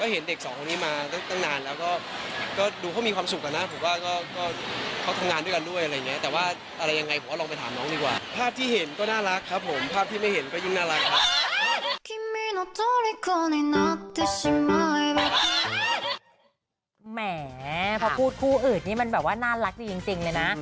แหมพอพูดคู่อื่นนี่มันแบบว่าน่ารักดีจริงเลยนะ